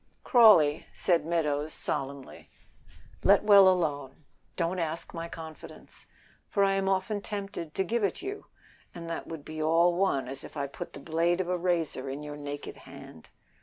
"Crawley," said Meadows, solemnly, "let well alone. Don't ask my confidence, for I am often tempted to give it you, and that would be all one as if I put the blade of a razor in your naked hand."